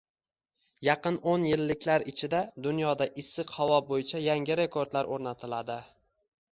Yaqin o‘n yilliklar ichida dunyoda issiq havo bo‘yicha yangi rekordlar o‘rnatiladi